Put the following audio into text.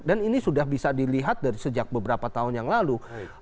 dan ini sudah bisa dilihat dari sejak beberapa tahun yang lalu